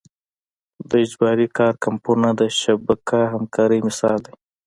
د اجباري کار کمپونه د شبکه همکارۍ مثال دی.